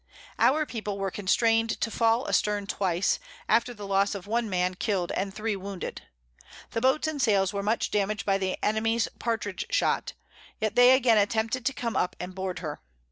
Our People were constrain'd to fall a stern twice, after the loss of one Man kill'd and three wounded. The Boats and Sails were much damag'd by the Enemies Partridge shot, yet they again attempted to come up and board her.